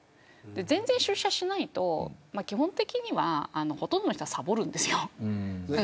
全然出社しないと基本的にはほとんどの人はサボるんです。